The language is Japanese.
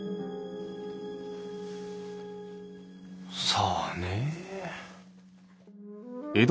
さあねえ。